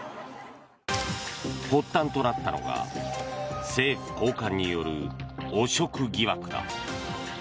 発端となったのが政府高官による汚職疑惑だ。